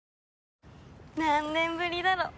何年ぶりだろう？